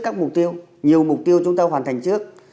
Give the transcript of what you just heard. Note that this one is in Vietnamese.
các mục tiêu nhiều mục tiêu chúng ta hoàn thành trước